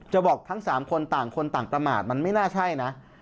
บอกทั้ง๓คนต่างคนต่างประมาทมันไม่น่าใช่นะ